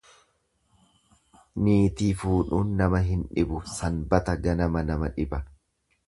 Niitii fuudhuun nama hin dhibu, sanbata ganama nama dhiba.